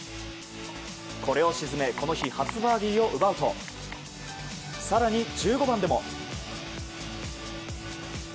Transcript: これを沈めこの日初バーディーを奪うと更に１５番でも。